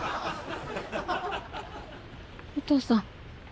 お父さん。